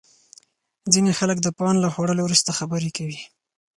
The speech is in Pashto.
ځینې خلک د پان له خوړلو وروسته خبرې کوي.